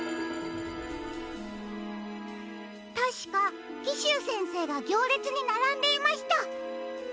たしかキシュウせんせいがぎょうれつにならんでいました。